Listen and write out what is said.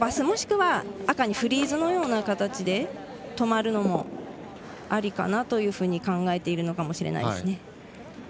もしくは赤にフリーズのような形で止まるのもありかなと考えているのかもしれないですね。